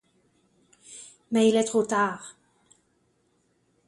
Mais il est trop tard.